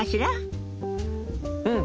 うん！